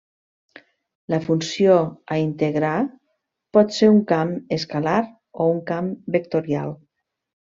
La funció a integrar pot ser un camp escalar o un camp vectorial.